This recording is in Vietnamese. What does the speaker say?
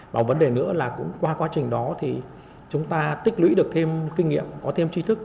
và vấn đề nữa là cũng qua quá trình đó thì chúng ta tích lũy được thêm kinh nghiệm có thêm chi thức